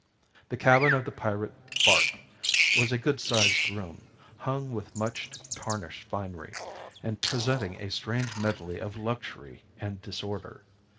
The cabin of the pirate barque was a good sized room, hung with much tarnished finery, and presenting a strange medley of luxury and disorder.